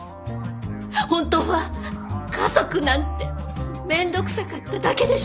本当は家族なんてめんどくさかっただけでしょう